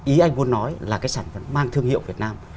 ý anh muốn nói là cái sản phẩm mang thương hiệu việt nam